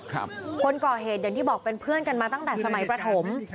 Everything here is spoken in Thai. คนก่อเหตุอย่างที่บอกเป็นเพื่อนกันมาตั้งแต่สมัยประถม